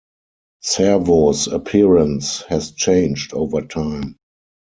Servo's appearance has changed over time.